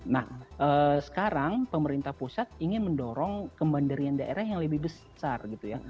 nah sekarang pemerintah pusat ingin mendorong kemenderian daerah yang lebih besar